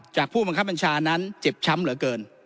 ผู้บังคับบัญชานั้นเจ็บช้ำเหลือเกิน